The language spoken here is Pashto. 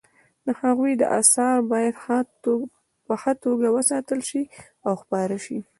د هغوی اثار باید په ښه توګه وساتل شي او خپاره شي